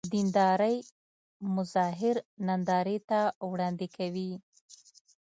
دیندارۍ مظاهر نندارې ته وړاندې کوي.